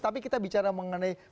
tapi kita bicara mengenai